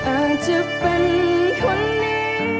อาจจะเป็นคนหนึ่ง